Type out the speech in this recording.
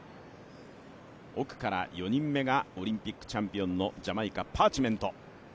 奥から４人目がオリンピックチャンピオンのジャマイカ、パーチメント。